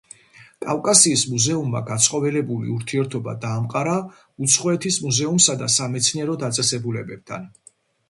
კავკასიის მუზეუმმა გაცხოველებული ურთიერთობა დაამყარა უცხოეთის მუზეუმსა და სამეცნიერო დაწესებულებებთან.